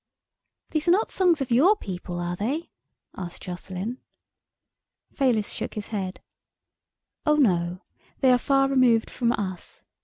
"These are not songs of your people, are they?" asked Jocelyn. Fayliss shook his head. "Oh no they are far removed from us.